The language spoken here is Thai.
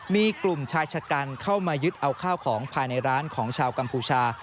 มีกลุ่มชายชะกันเข้ามายึดเอาข้าวของภายในร้านของชาวกัมพูชา